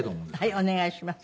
はいお願いします。